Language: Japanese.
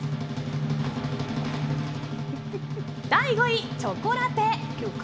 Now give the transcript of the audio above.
第５位、チョコラテ。